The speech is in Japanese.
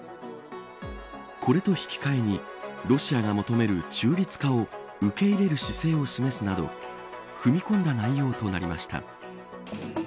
これと引き換えにロシアが求める中立化を受け入れる姿勢を示すなど踏み込んだ内容となりました。